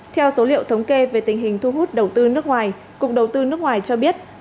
theo số liệu thống kê về tình hình thu hút đầu tư nước ngoài cục đầu tư nước ngoài cho biết